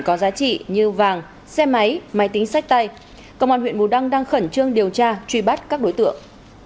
có giá trị như vàng xe máy máy tính sách tay công an huyện bù đăng đang khẩn trương điều tra truy bắt các đối tượng